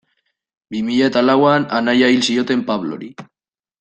Bi mila eta lauan anaia hil zioten Pablori.